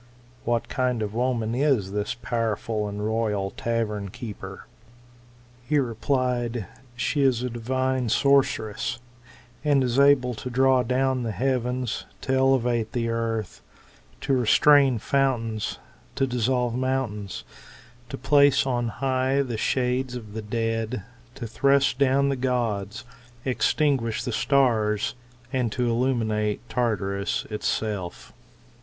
What kind of woman is this powerful and royal tavern keeper ? He replied, She is a divine sorceress, and is able to draw down the heavens, to elevate the earth, to restrain fountains, to dissolve mountains, to place on high the shades of the dead, to thrust down the gods, extinguish the stars, and illuminate Tartarus itself.